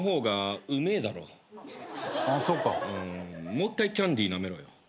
もう一回キャンディーなめろよ。